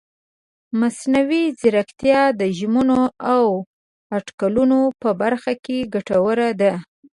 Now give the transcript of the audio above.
مصنوعي ځیرکتیا د ژمنو او اټکلونو په برخه کې ګټوره ده.